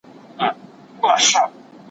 زه اوس د ښوونځی لپاره تياری کوم!.